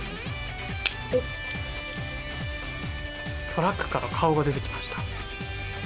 トラックから顔が出てきまし